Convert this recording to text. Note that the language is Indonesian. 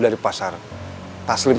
boleh dibawa tujuh kan